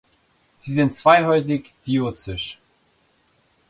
Sie ist zweihäusig diözisch.